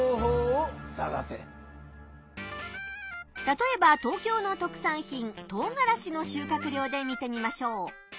たとえば東京の特産品とうがらしの収穫量で見てみましょう。